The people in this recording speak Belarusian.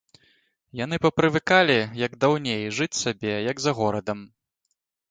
Яны папрывыкалі, як даўней, жыць сабе, як за горадам.